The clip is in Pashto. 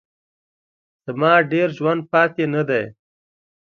زما ډېر ژوند پاته نه دی.